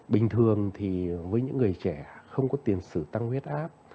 bình thường thì với những người trẻ không có tiền sử tăng huyết áp